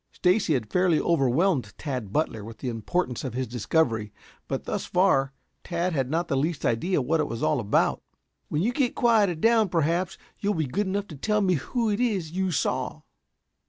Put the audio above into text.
Stacy had fairly overwhelmed Tad Butler with the importance of his discovery; but, thus far, Tad had not the least idea what it was all about. "When you get quieted down perhaps you'll be good enough to tell me who it is you saw?"